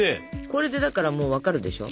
これでだからもう分かるでしょ。